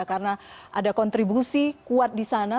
karena ada kontribusi kuat di sana